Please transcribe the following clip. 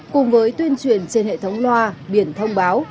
cùng với tuyên truyền trên hệ thống loa biển thông báo